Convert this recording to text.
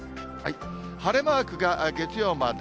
晴れマークが月曜まで。